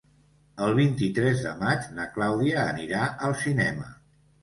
El vint-i-tres de maig na Clàudia anirà al cinema.